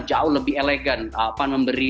jauh lebih elegan pan memberi